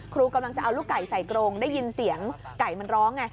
ครูกำลังจะเอาลูกไก่ใส่กรงได้ยินเสียงไก่มันร้องไง